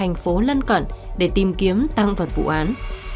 nạn nhân có thể đi đến thành phố lân cận để tìm kiếm tăng vật vụ án